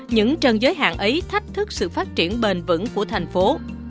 những trần giới hạn ấy thách thức sự phát triển bền vững của thành phố